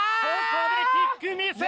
ここでキックミス。